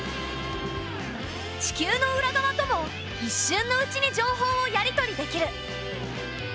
地球の裏側とも一瞬のうちに情報をやり取りできる。